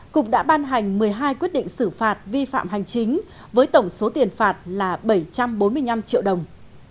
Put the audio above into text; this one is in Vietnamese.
cục đã ban hành một mươi hai quyết định xử phạt vi phạm hành chính với tổng số tiền phạt là bảy trăm bốn mươi năm triệu đồng